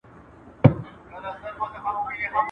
ټولنیزې شبکې نړیوالې اړیکې جوړوي